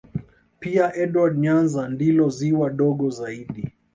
Pia Edward Nyanza ndilo ziwa dogo zaidi